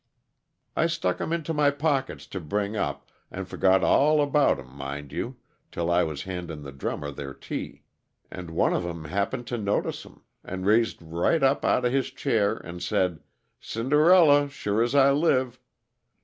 "I stuck 'em into my pockets to bring up, and forgot all about 'em, mind you, till I was handin' the drummers their tea. And one of 'em happened to notice 'em, and raised right up outa his chair, an' said: 'Cind'rilla, sure as I live!